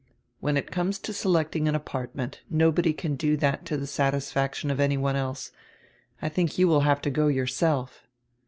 "When it comes to selecting an apartment, nobody can do that to tire satisfaction of any one else. I think you will have to go yourself."